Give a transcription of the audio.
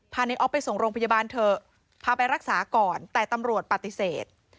ในออฟไปส่งโรงพยาบาลเถอะพาไปรักษาก่อนแต่ตำรวจปฏิเสธ